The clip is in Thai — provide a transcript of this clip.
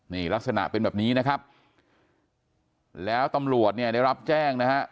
นี่ลักษณะเป็นแบบนี้นะครับแล้วตำรวจเนี่ยได้รับแจ้งนะฮะ